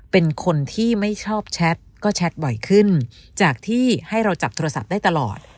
เป็นคนที่ไม่ชอบแชทก็แชทบ่อยขึ้นจากที่ให้เราจับโทรศัพท์ได้ตลอด